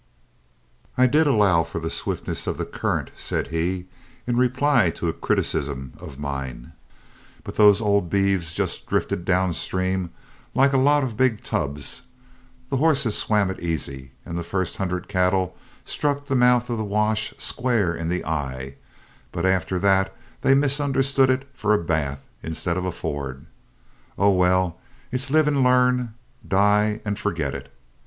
"I did allow for the swiftness of the current," said he, in reply to a criticism of mine, "but those old beeves just drifted downstream like a lot of big tubs. The horses swam it easy, and the first hundred cattle struck the mouth of the wash square in the eye, but after that they misunderstood it for a bath instead of a ford. Oh, well, it's live and learn, die and forget it.